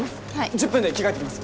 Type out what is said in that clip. １０分で着替えてきます。